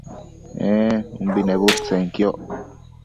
ee umbi nebudtsenquioc